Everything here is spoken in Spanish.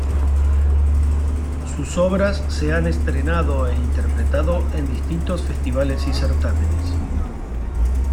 Sus obras se han estrenado e interpretado en distintos festivales y certámenes.